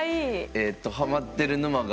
えっとハマってる沼が。